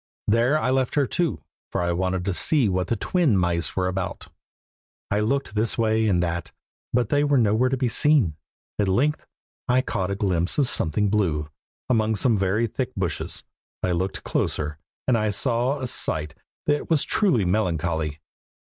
There I left her too, for I wanted to see what the twin mice were about. [Illustration: NIBBLE IN THE APPLE TREE.] I looked this way and that, but they were nowhere to be seen. At length I caught a glimpse of something blue, among some very thick bushes. I looked closer, and saw a sight that was truly melancholy.